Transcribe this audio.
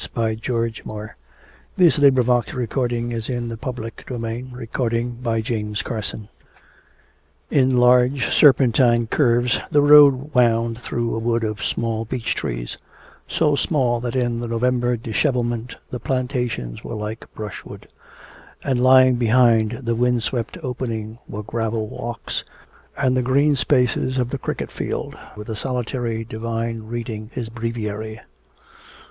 But I want you to try to get him to come home. Try to get him to come home for Christmas.' II. In large serpentine curves the road wound through a wood of small beech trees so small that in the November dishevelment the plantations were like brushwood; and lying behind the wind swept opening were gravel walks, and the green spaces of the cricket field with a solitary divine reading his breviary.